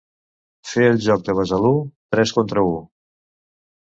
Fer el joc de Besalú: tres contra u.